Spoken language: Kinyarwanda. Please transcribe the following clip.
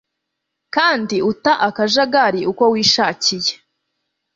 kandi uta akajagari uko wishakiye